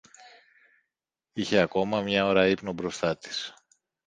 Είχε ακόμα μια ώρα ύπνο μπροστά της